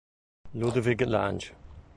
Ludwig Lange